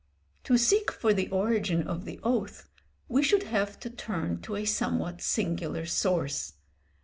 To seek for the origin of the oath, we should have to turn to a somewhat singular source.